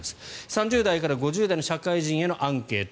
３０代から５０代の社会人へのアンケート。